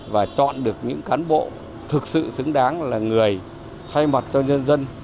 và chọn được những cán bộ thực sự xứng đáng là người thay mặt cho nhân dân